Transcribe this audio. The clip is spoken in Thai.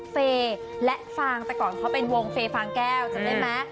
เฟย์และฟางแต่ก่อนเขาเป็นวงเฟย์ฟางแก้วจำได้ไหม